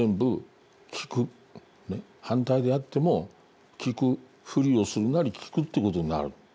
反対であっても聞くふりをするなり聞くということになる。